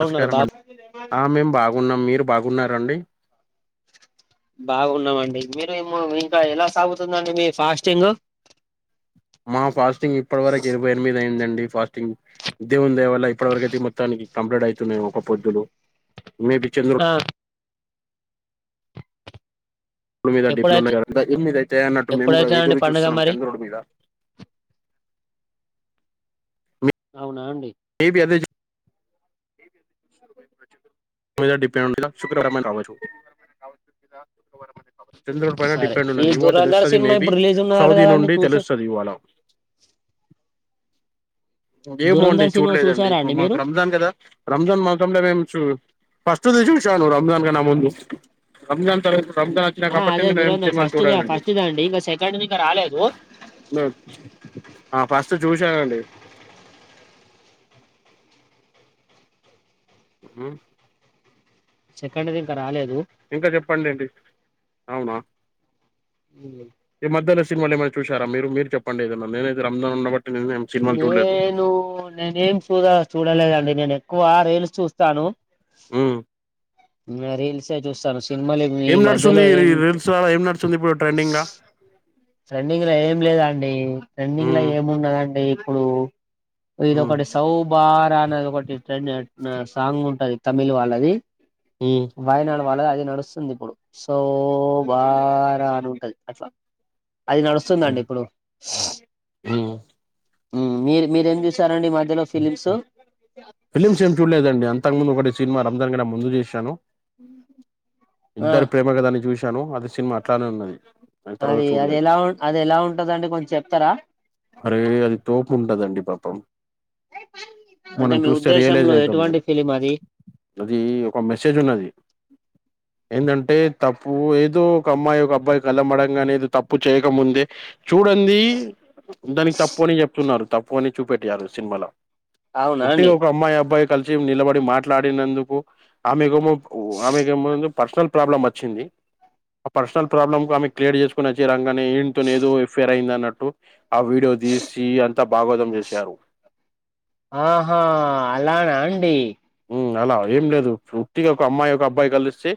బాగున్నారు బా ఆ మేం బాగున్నాం మీరు బాగున్నా రండి బాగున్నామండి మీరేమో ఇంకా ఎలా సాగుతుందండి మీ ఫాస్టింగు మా ఫాస్టింగ్ ఇప్పటి వరకు ఇరవై ఎనిమిది అయిందన్ డి ఫాస్టింగ్ దేవుని దయవల్ ల ఇప్పటివరకైతే మొత్తానికి కంప్లీట్ ఐ తున్నై ఒక్క పొద్దులు మే బి చంద్రు ఆ ఇ మీద ఎప్పుడైతే డిప్లొమాంత ఏ మీద అయిత అన్నట్టు మేము కూడా ఎప్పుడైతే అండి ఎదురు పండుగ చూస్తున్నాం మరి చంద్రుడి మీద అవునా అండి ఏవి అద డిప శుక్రవారం రావచ్చు చంద్రుడి పైన సరే డిపెండ్ ఈ ఉన్నది ఇవాళ దురంధర్ తెలుస్తుంది సినిమా మేబీ ఇప్పుడు రిలీజ్ ఉన్నదట సౌదీ కదండి నుండి చూసే తెలుస్తుంది ఇవాళ ఏ బాగుండి దురంధర్ సినిమా చూడలేదండి చూసారా ఇప్పుడు అండి మాకు మీరు రంజాన్ కదా రంజాన్ మొత్తంలో మేము చూ ఫస్ట్ చూషాను రంజాన్గా నాందు రంజాన్ తర రంజాన్ ఆ అదే చికప్పట్టింది నేను దురంధర్ సినిమాలు ఫస్ట్ ది చూడానండి ఫస్ట్ ది అండి ఇంకా సెకండ్ ఇంకా రాలేదు ఆ ఫస్ట్ చూశానండి అ సెకండ్ దంకాల ఇంకా చెప్పం అండి అవునా ఏ మద్ద్యన ళ్ళ ఏమైనా చూరా మీ చెండి ఏదన్నాేతే రమ్న్నట్టి నేను నేనేం చూదా చూడలేదండి నేను ఎక్కువ రైలు చూస్తా చను మ్ రీల్స్ చూస్తాను సినిమాలు ఈ ఏం నడుస్తుంది మధ్యలో ఏం రీల్స్ ద ఏం నడుస్తుంది ఇప్పుడు ట్రెండింగ్ ర్రంన్నింగ్ లో ఏంలేద అండి ర్రెండింగ్ లో మ్మ్ ఏముండదండి ఇప్పుడు ఇది మ్మ్ ఒకటి సౌభార అనేది ఒకటి ట్రెండ్ సాంగ్ ఉంటది తమిళ్ వాళ్ళది మ్మ్ వయనాడు అళ అది నడుస్తుంది ఇప్పుడు సో బా రాని ఉంటది అట్లా అది నడుస్తుందండి ఇప్పుడు మ్మ్ మ్ మీరు మీరేం చూసారు ఫిలిమ్స్ ఏం చూడలేదండి అంతకు ముందు ఒకటి సినిమా రమ్ందాని క ముందు చేశాను ఆ ఇద్దరు ప్రేమ కదాన్ని చూసి తను అది సిమ్ [unintelligible] అది అది ఎలా ఉం అది ఎలా ఉంటందండి కొంచం చెప్తారా అదండి పాప్పం అంటే మనం మీ చూస్తే రియలైజ్ ఉద్దేశంలో అయ్నతాం నా ఎటువంటి ఫిలిం అది అది ఒక మెసేజ్ ఉన్నది. ఏందంటే తప్పు ఏదో ఒక అమ్మాయి ఒక అబ్బాయి కళ్ళమడంగానే ఏద తప్పు చేయకముందే చూడంది దానికి తప్పు అని చెప్తున్నారు. తప్పు పోని చూపెటియారుస్ చిన్మాలో అవునా ఉట్టిగా అండి ఒక అమ్మాయ్ అబ్బాయ్ కలిసి నిలబడి మాట్లాడినందుకు ఆమిగోమో ఓ ఆమె గమ్మునుంది పర్సనల్ ప్రాబ్లమ్ వచ్చింది. ఆ పర్సనల్ ప్రాబ్లమ్ ఆమె క్రియేట్ చేస్కొనొచ్చి ఈడ కానీ ఇన్తోనేదో ఎఫేర్ అయిద్ అన్నట్టు టు ఆ వీడియో తీసి అంతా భాగవతం చేశారు ఆహా అలానా అండి అలా ఏం లేదు పూర్తిగా ఒక అమ్మాయి ఒక అబ్బాయి కలిస్తే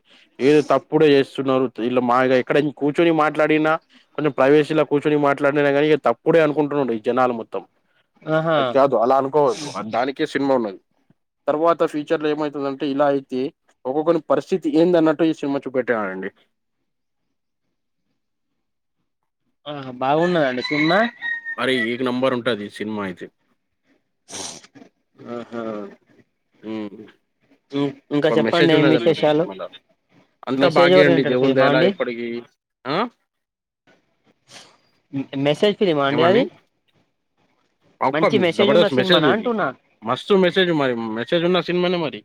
ఏదో తప్పుడే చేస్తున్నారు ఇలా మాగా ఎక్కడ ఏన్ కూర్చొని మాట్లాడినా, కొంచెం ప్రైవేసీలో కూర్చొని మాట్లాడి, కానీ తప్పుడే అనుకుంటున్నాడు ఈ జనాలు మొత్తం. ఆహా అద్ కాదు అలా అనుకోద్దు [unintelligible] దానికి సినిమా ఉన్నది. తర్వాత ఫ్యూచర్ లో ఏమైతదంటే ఇలా అయితే ఒక్కొక్కని పరిస్థితి ఏంద అన్నట్టు ఈ సినిమా చూపెట్టానండి. ఆ బాగున్నాదండి సినిమా అరే ఏక నంబర్ ఉంటుది ఈ సినిమా అయితే ఆహా ఉమ్ హ్మ్ ఇంకా ఒక చెప్పండి మెసేజ్ ఏం ఉన్నదమా విశేషాలు సినిమాలో అంతా మెసేజ్ బాగాే అండి ఓరియంటెడ్ దేవుంద ఫిలిమా ఎలా అండి ఇప్పటికిీ ఆ ఇంకా మెసేజ్ ఫిలిం అండి అది పక్క మంచి మెసేజ్ ఉన్న జబర్దస్ సినిమానా మెసజది అంటున్నా మస్తు మెసజ మరి మెసజ ఉన్నా సి సినిన్ మనే మరి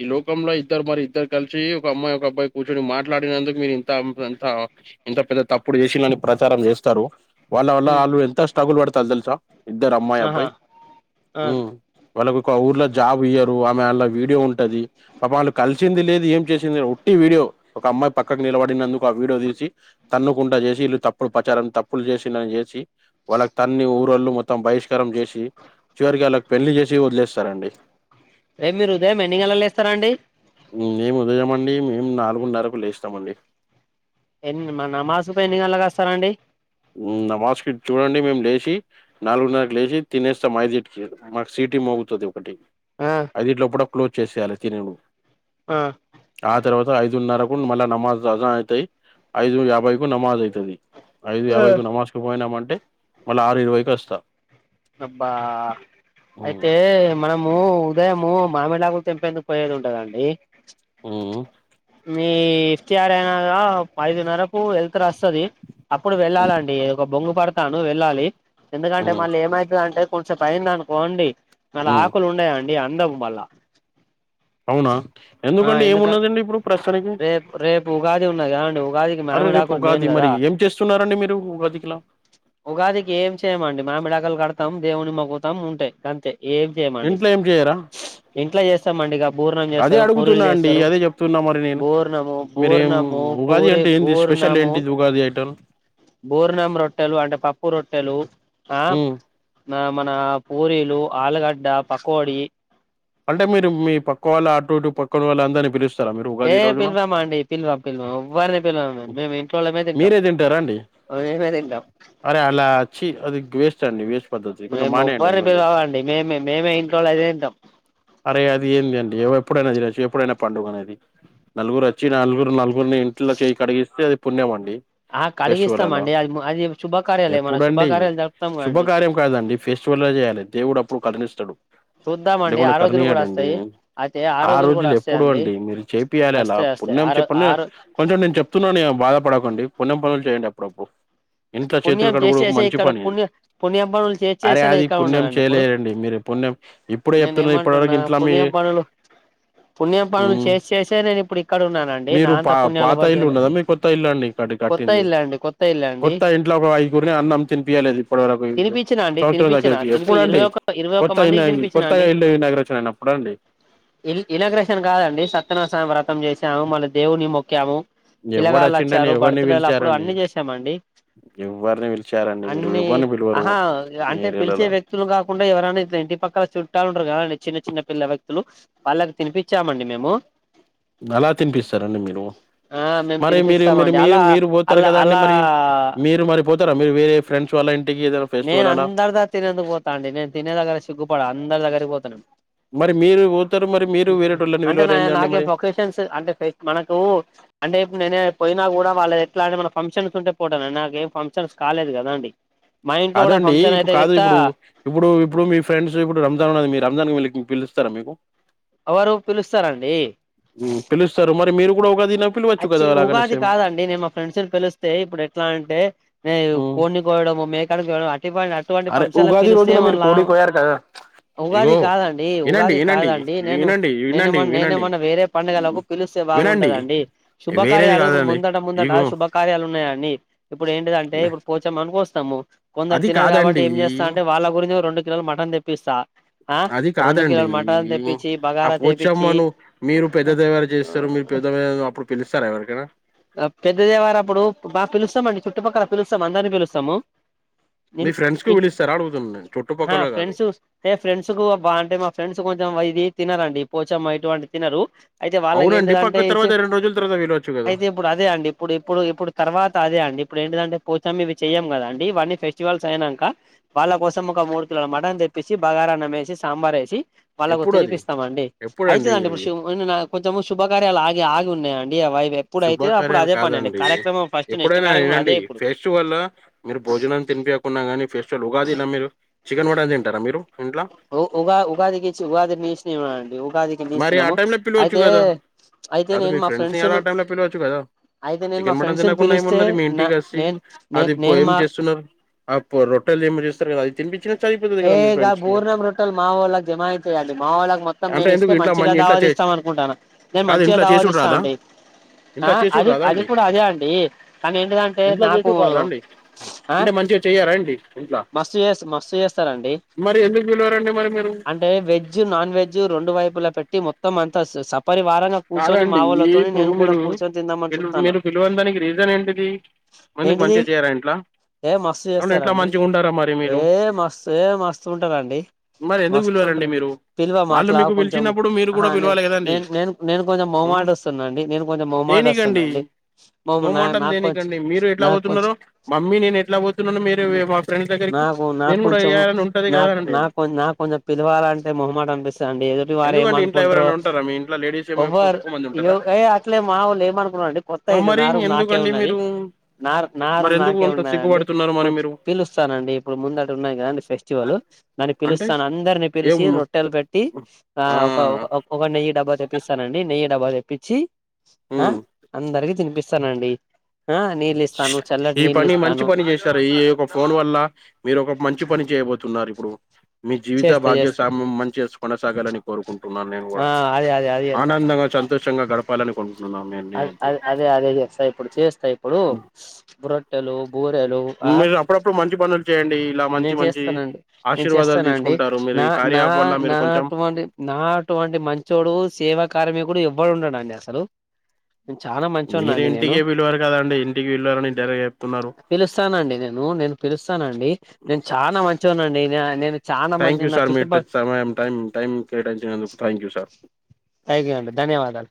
ఈ లోకంలో ఇద్దరు మరి ఇద్దరు కలిసి ఒక అమ్మాయి ఒక అబ్బాయి కూర్చొని మాట్లాడినందుకు మీరు ఇంత ఇంత ఇంత పెద్ద తప్పుడు చేసినని ప్రచారం చేస్తారు వాళ్ళ వల్ల హ్మ్ వాళ్ళు ఎంత స్ట్రగుల్ పడతారు తెలుసా ఇద్దరు అమ్మాయి ఆహా అబ్బాయి ఆ ఉమ్ వాళ్ళకు ఊర్లో జాబ్ ఇయ్య వడియో ఉంటది కలిసింది లేం చేట్టి వడియో అమాయి పక్క నిలబడిందుడియో తీసి తన్నుకు చేసి తప్పులు పచప్పు చేనిసి పాలు ఊరోళ్ళు మొత్ త్తం బహిష్కారం చేసి చివరికి అళ్ళకి పెళ్లి చేసి వదిలేస్తారండి రేపు మీరు ఉదయం ఎన్నికలలు ఇస్తార అండి మేము ఉదయంమండి మేము నాలుగున్నరకు లేస్తామండి ఎన్ని మన అమాస పైనిగల్ల కాస్తరండి హుమ్ అమస్కి చూడండి మేము లేచి నాలుగున్నరకు లేచి తినేస్తాం ఐదింటికి మాకు సీటి మోగుతది ఒకటి ఆ అదిట్లోప్పుడప్ క్లోజ్ చేసేయాలి వచ్చినప్పుడు ఆ తర్వాత ఐదున్నరకు మళ్ళా నమాజ్ అజా అయితాయి ఐదు యాభై కు నమాజ్ అయితది ఐదు యాభైకు నమజ్ కు పోయినామంటే టే మళ్ళ ఆరు ఇరవై కొస్త అబ్బా అయితే మనము ఉదయము మామిడాకులు తెంపేందుకు పోయేది ఉంటదండి హ్మ్ మీ అయినాకా ఐదున్నరకు వెల్తురు వస్తది అప్పుడు వెళ్ళాలండి ఒక బొంగ పడతాను వెళ్ళాలి ఎందుకంటే హ్మ్ మళ్ళీ ఏమై అంటే కొంచెం బయిన్ దనుకోండి ఆలా హ్మ్ ఆకులు ఉండయా అండి నీ అందం మల్ల అవునా ఆ ఎందుకండి ఎందుక ఏమున్నదండి ఇప్పుడు ప్రస్తుతానికి రేపు రేపు ఉగాది ఉన్నాది కదాండి ఉగాదికి అరే రేపు మామిడాకులు మెయిన్ ఉగాది మరి కదా ఏం చేస్తున్నారండి మీరు ఉగాదికిలా ఉగాదికి ఏం చేయమండి మామిడాకులు కడత్ దేవుని మొక్కుతం ఉంటాయ్ అంతే ఏం చేయమంటారు ఇంట్లో ఏం చేయరా ఇంట్లో చేస్తామండిగా బూర్ణం అదే చేస్తారు పూరీలు అడుగుతున్నా అండి చేస్తారు అదే చెప్తున్నా మరి నేను బూర్ణము మీరేం బూర్ణము ఉగాది పూరి అంటే ఏంది స్పెషల్ బూర్ణము ఏంటిది ఉగాది ఐటమ్ బూర్ణం రొట్టెలు అంటే పప్పు రొట్టెలు ఆ హ్మ్ నా మన పూరీలు ఆలుగడ్డ పకోడి అంటే మీరు మీ పక్క వాళ్ళ అటుటు పక్కన వాళ్ళు అందరిని పిలుస్ ఏ పిలవమండి పిల్వం పిల్వం ఎవ్వరిని పిల్వం మేము ఇంట్ వాళ్ళమే తింటాం మీరే తింటారా అండి మేమే తింటాం అరే అలా ఛీ అది వేస్ట్ అండి వేస్ట్ పద్ధతి కొంచెం మేము మానేయండి అది ఎవ్వరిని కొంచెం. పిలువ మండి మే మేమే ఇంట్లోళ్ళ అదే తింటాం అరే అది ఏంది అండి ఎప్పుడైనాదినచ్చు ఎప్పుడైనా పండుగ అనేది నలుగురు వచ్చి నలుగురు నలుగురిని ఇంట్లో చేయి కడిగిస్తే అది పుణ్యం అండి ఆ కడిగిస్తాం ఫెస్టివలల్లో అండి అది అది శుభకార్యాలు ఏమన్నా ఎప్పుడండి శుభకార్యాలు జరుపుతాం కదండి శుభకార్యం కాదండి ఫెస్టివల్లో చేయాలి దేవుడు అప్పుడు కరునిస్తడు డా చూద్దామండి ఆ రోజులు కూడా కరనీయాడండి వస్తాయి అయితే ఆ కూడా రోజులు ఎప్పుడు వస్తాయండి అండి మీరు చేపియాలి అలా వస్తాయి వస్తాయి పుణ్యం ఆ రో చెప్ప ఆ రో కొంచెం నేను చెప్తున్నాను బాగా పప్పుడుకండి పున్నం పనులు చేయండి అప్పుడప్పుడు ఇంట్లో చేతులు పుణ్యం చేసి కడుగుడు చేసే మంచి ఇక్కడ పని పుణ్య పుణ్యం పనులు చేసి అరే చేసే అది ఇక్కడ పుణ్యం చేయలేరండి మీరు పుణ్యం ఇప్పుడే నేను చెప్తున్నా ఇప్పటి ఏమంటున్నా వరకు ఇంట్లా మీ పుణ్యం పనులు పుణ్యం పనులు మ్మ్ చేసిసే నేను ఇప్పుడు ఇక్కడ ఉన్నానండి మీరు నాంత పా పుణ్యాలు పాత ఇల్లు వరిజలే ఉన్నదా మీ కొత్త ఇల్లు అండి కొత్త ఇల్లు అండి కొత్త ఇల్లు అండి ఇట్లా ఒక ఐదుగురిని అన్నం తినిపియాలలేదు ఇప్పటివరకు తినిపించినా అండి సంవత్సరం దాగ తినిపించినా తినిపి ఎప్పుడు అండి ఇరవై ఒక ఇరవై ఒక్క కొత్త అయిన మందికి తినిపించినా అండి ఇలాగ్రేషన్ కాదండి సత్యనాస వ్రతం చేసి ము మ దేవుని మొకము ఎవడు పిల్లగాళ్ళు వచ్చిండని వచ్చారు ఎవరిని బర్త్ డేలు అప్పుడు పిలిచారండి అన్ని చేసామండి ఎవరిని పిలిచారండి మీరు అన్ని ఎవరిని పిలవరు ఆహా మీ అంటే పిలిచే ఏరియాలలో వ్యక్తులు కాకుండా ఎవరనా ఇ ఇంటి పక్కల చుట్టాల ఉంటారు కదండి చిన్న చిన్న పిల్ల వ్యక్తులు వాళ్లనితినిపిచ్చామండి మేము ఎలా తినిపిస్తారు అండి ఆ మేము తినిపిస్తామండి మీరు అలా మీరు పోతారు అలా కదా అండి అలా మీరు పోతారా మీ ఫ్రెండ్ దగ్గరికి నేను అందరి దగ్గరికి పోతాను అండి నేను తినే దగ్గర సిగ్గుపడ అందరి దగ్గరికి పోతనేను మరి మీరు పోతారా అంటే నాకేం ఫొకేషన్స్ అంటే మనకు అంటే ఇప్పుడు నేనే నా కూడా వాళ్ళ ఎట్లాంటి మన ఫంక్షన్స్ ఉంటే పోటానండి నాకుఏం ఫంక్షన్స్ కాలేదు కదా అండి మా ఇంట్లో కూడా కాదండి ఫంక్షన్ ఇప్పుడు ఇప్పుడు అయితే కాదు గిట్ట ఇప్పుడు ఇప్పుడు ఇప్పుడు మీ ఫ్రెండ్స్ ఇప్పుడు రంజాన్ ఉన్నది మీ రంజాన్ కి పిలుస్తారా మీకు ఎవరు పిలుస్తారండి ఇప్పుడు ఒకటి అచ్చి ఉగాది కాదండి నేను మా ఫ్రెండ్స్ పిలిస్తే ఇప్పుడు ఎట్లా అంటే హ్మ్. కోడి కోయడం మేక కోయడం కోయడం అటువంటి అరే! ఫంక్షన్లు ఉగాది పిలిస్తే రోజున మీరు కోడి కోయారు కదా! ఉగాది ఇగో కాదండి ఇనండి, ఉగాది ఇనండి, కాదండి నేను ఇనండి, ఇనండి, నేనేమన్నా వినండి. నేనేమన్నా వేరే పండుగలకు పిలిస్తే వినండి. బాగుంటదండి వేరేది శుభకార్యాలు ఇప్పుడు కాదండి. ముందటముందట ఇగో శుభకార్యాలు ఉన్నాయండి ఇప్పుడు ఏంటిది అంటే పోచమ్మకు కోస్తారు తంబు కొందరు అది తినారు కాబట్టి కాదండి. ఏం చేస్తా అంటే రెండు కిలోలు మటన్ తెప్పిస్తా ఆ అది రెండు కాదండి. కిలోలు మటన్ తెప్పించి ఆ బగారా చేపిచ్చిఉ పోచమ్మను మీరు పెద్దదెవరు చేస్తారు. మీరు పెద్దదెవరు అప్పుడు పిలుస్తారా ఎవరికైనా? పెద్దదేవర అప్పుడు బాగా పిలుస్తామండి చుట్టుక్కల పిలుస్తాము అందరినీ పిలుస్తాము మీ ఫ్రెండ్స్‌కి పిలుస్తారా అడుగుతున్నా నేను. ఆ ఆ చుట్టుపక్కల కాదు. ఫ్రెండ్స్ బ ఏ ఫ్రెండ్స్ కు అంటే మా ఫ్రెండ్స్ కొంచెం ఇది తినాలండి పోచమ్మ ఇటువంటి తినరు అయితే వాళ్ళకి అవునండి ఏంటిదంటే పక్క ఇచ్ తర్వాత రెండు రోజుల తర్వాత వెళ్ళొచ్చు కదా అయితే ఇప్పుడు అదే అండి ఇప్పుడు ఇప్పుడు ఇప్పుడు తర్వాత అదే అండి ఇప్పుడు ఏంటిదంటే పోచమ్మ ఇవి చెయ్యం కదండి ఇవన్నీ ఫెస్టివల్స్ అయినంక వాళ్ళ కోసం ఒక మూడు కిలోల మటన్ తెప్పించి బగారాఅన్నం ఏసి సాంబార్ ఏసి వాళ్ళకు ఎప్పుడు అది తినిపిస్తామండి ఎప్పుడండి అయితదంట ఇప్పుడు అది శు కొంచె నాల కొంచెము శుభకార్యాలు ఆగి ఆగి తే అన్ శుభకార్యాలు కాదండి కార్యక్రమం ఫస్ట్ నెక్స్ట్ ఎప్పుడైనా కార్యక్రమం ఇనండి అదే ఇప్పుడు ఫెస్ట్ వల్లో మీరు భోజనాన్ని తినిపియ్యకున్న కానీ ఫెస్టివల్ ఉగాది నా మీరు చికెన్ మటన్ తింటారా మీరు ఇంట్లా ఉగాదికిచ్చిన ఉగాదికి ఇచ్చిన ఆ అటైనాపిలవచ్చు క అయితే దఆ నేను మా ఫ్రెండ్స్ నీ ఫ్రెండ్స్ను అటైనా పిలవచ్చు కదా అయితే నేను మా చికెన్ మటన్ ఫ్రెండ్స్ని తినకుండా పిలిస్తే ఏమున్నది మీ నా ఇంటికి వచ్చ నేను నే అది పో నేను ఏం మా చేస్తున్నారు అప్పు రొట్టెలు ఏమ చేస్తారు కదా అవి తిని పించ్చు ఏ గా బూర్ణం రొట్టల్ మా వోళ్ళకి జమాయించయండి మా వొళ్ళకు మొత్తం అంటే నేను ఇస్త ఎందుకు తే ఇంట్లో మంచిగా మంచి ఇంట్లో దావాతీస్తాం అనుకుంటాన నేను కాదు మంచిగా ఇంట్లో చేసుడు దావాతీస్తా రాదా అండి ఆ ఇంట్లో చేసుడు అది రాదా అది అండి కూడా అదే అండి కానీ ఏంటి దంటే ఇంట్లో నాకు చేసుడు ఆ డి మస్తు చేస్త మస్తు చేస్తారండి మరి ఎందుకు పిలవరండి మరి మీరు అంటే వెజ్ నాన్ వెజ్ రెండు వైపుల పెట్టి మొత్తం అంతా స సప్ కాదండి ఇప్పుడు కూడా మీరు కూర్చొని తిందామని చూస్తాను మీరు పిలువన దానికి రీజన్ ఏంటిది మందుకు ఏంటిది మంచిగా చేయరా ఇంట్లా ఏ మస్తు చేస్తారండి ఆవునింట్లమంచిగుంటద ఏ మస్తు ఏ మస్తు ఉంటదండి మరి ఎందుకు పిలవరండి మస్తుంటరు మీరు పిల్వామా వాళ్ళు అట్లా మీకు కొంచెం పిలిచినప్పుడు మీరు అహ కూడా న పిలవాలి కదండి నేను నేను నేను కొంచెం మ్మ్ మొమాటస్తున్నండి నేను కొంచెం దేనికండి మొమాటస్తున్నండి మ నా మొహమాటం నాకుంచం దేనికండి మీరు ఎట్లా నాకు కొంచం పోతున్నారో మమ్మీ నేను ఎట్లా పోతున్నానో మీరు మా ఫ్రెండ్స్ దగ్గరికి నాకు నాకు నేను కూడా కొంచెం వేయాలని ఉంటది నాకు కదాండి నాకు నాకు కొంచెం పిలవాలంటే మొహమాటమనిపిస్తది అండి ఎదుటి వారు ఎందుకండి ఇంట్లో ఏమనుకుంటరో ఎవరైనా ఉంటారా మీ ఇంట్లో లేడీస్ ఏమో ఎక్కువ ఒవ్వరు ఎక్కువ మంది ఉంటారా ఏయ అట్లే మా వొళ్ళు ఏమనుకున్నారంటే కొత్త ఆ, ఇల్లు మరి నా రూమ్ నాకే ఎందుకండి ఉన్నది మీరు న నా మరి రూమ్ ఎందుకు నాకే అంత ఉన్నదండి సిగ్గుపడుతున్నారు మరి ఇప్పుడు మీరు పిలుస్త స్తానండి ఇప్పుడు ముందట ఉన్నది కదా మీ ఫెస్టివల్ దాని అంటే పిలుస్తాను అందరిని ఏం పిలిసి రొట్టెలు పెట్టి ఆ ఒకటి నెయ్యి డబ్బా తెప్పిస్తానండి నెయ్యి డబ్బా తెప్పించి ఆ ఉమ్ అందరికి తినిపిస్తానండి ఆ నీళ్ళు ఇస్తాను చల్లటి ఈ నీళ్ళు పని మంచి ఇస్తాను పని చేశారు ఈయ ఒక ఫోన్ వ ల్ల మీరు ఒక మంచి పని చేయబోతున్నారు ఇప్పుడు మీ జీవిత చేస్తా భాగ్య చేస్తా సామమం మంచిగా కొనసాగాలని కోరుకుంటున్నాను నేను కూడా ఆ అదే అదే ఆనందంగా సంతోషంగా గడప పలనివ్వ అద అదే అదే అదే చేస్తాయి ఇప్పుడు చేస్తాయి ఇప్పుడు ఇప్పుడు ఇపుడ్ టలు మీరు అప్పుడప్పుడు మంచి పనల్ నేను చేస్తానండి నేను ఆశీర్వాదాలు చేస్తానండి తీసుకుంటారు మీరు నా ఈ కార్య నా యాప్ వల్ల మీరు నా కొంచెం అటువంటి నా అటువంటి మంచోడు సేవా కార్మికుడు ఎవ్వ వ్వాడుండడండి అసలు చాలా మీరు మంచోన్నండి నేను ఇంటికే పిలవరు కదండి ఇంటికి పిలవరని డైరెక్ట్ చెప్తున్నారు పిలుస్తానండి నేను నేను పిలుస్తానండి చానా మంచోనండి నేను చాలా థ్యాంక్ మంచి యూ నా సార్ మీట్ చుట్టుపక్క సమయం టైం టైం కేటన్ంచినందుకు thank you sir thank you అండి ధన్యవాదాలు